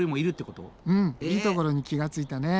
うんいいところに気が付いたね。